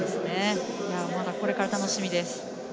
まだこれから楽しみです。